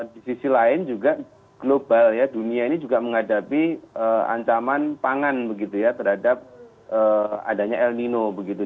di sisi lain juga global ya dunia ini juga menghadapi ancaman pangan begitu ya terhadap adanya el nino begitu